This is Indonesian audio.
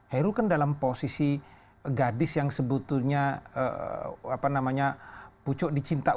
heru kan dalam posisi gadis yang sebetulnya apa namanya pucuk di cinta umat